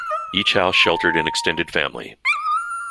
Each house sheltered an extended family.